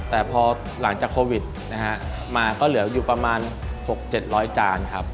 แต่พอหลังจากโควิดนะฮะมาก็เหลืออยู่ประมาณ๖๗๐๐จานครับ